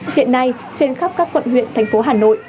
hiện nay trên khắp các quận huyện thành phố hà nội